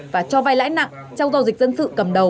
và cho vay lãi nặng trong giao dịch dân sự